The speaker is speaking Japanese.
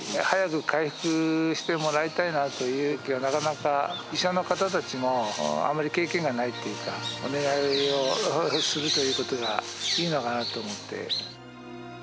早く回復してもらいたいなという、なかなか、医者の方たちも、あまり経験がないっていうか、お願いをするということがいいのかなと思って。